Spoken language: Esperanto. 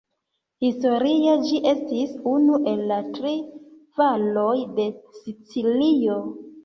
Historie, ĝi estis unu el la tri valoj de Sicilio.